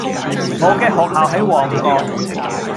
我嘅學校喺旺角